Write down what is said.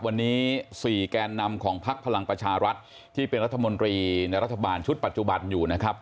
วันนี้๔แกนนำของพักพลังประชารัฐที่เป็นรัฐมนตรีในรัฐบาลชุดปัจจุบันอยู่นะครับ